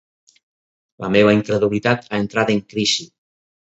La meva incredulitat ha entrat en crisi.